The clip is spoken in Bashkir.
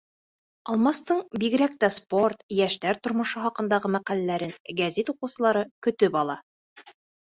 Алмастың бигерәк тә спорт, йәштәр тормошо хаҡындағы мәҡәләләрен гәзит уҡыусылар көтөп ала.